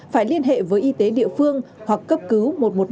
phải liên hệ với y tế địa phương hoặc cấp cứu một trăm một mươi năm để được hỗ trợ